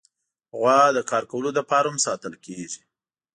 غوا د کار کولو لپاره هم ساتل کېږي.